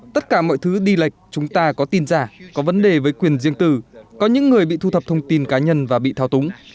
tất cả mọi thứ đi lệch chúng ta có tin giả có vấn đề với quyền riêng tư có những người bị thu thập thông tin cá nhân và bị thao túng